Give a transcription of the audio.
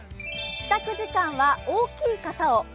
帰宅時間は大きい傘を。